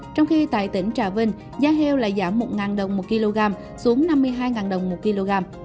trong khi tại tỉnh trà vinh giá heo lại giảm một đồng một kg xuống năm mươi hai đồng một kg